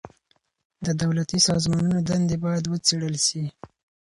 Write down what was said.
د دولتي سازمانونو دندي بايد وڅېړل سي.